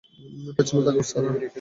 পেছনে তাকাও, সারা!